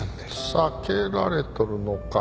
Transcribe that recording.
避けられとるのか？